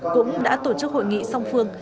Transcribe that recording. cũng đã tổ chức hội nghị song phương